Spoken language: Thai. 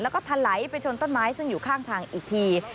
แล้วก็ทะไหลไปชนต้นไม้ซึ่งอยู่ข้างทางอีกที